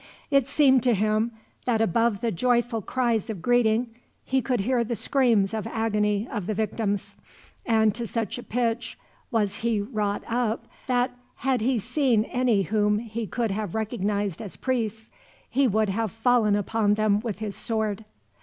It seemed to him that above the joyful cries of greeting he could hear the screams of agony of the victims, and to such a pitch was he wrought up that, had he seen any whom he could have recognized as priests, he would have fallen upon them with his sword.